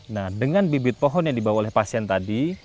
nah dengan bibit pohon yang dibawa oleh pasien tadi